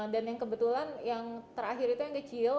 dan yang kebetulan yang terakhir itu yang kecil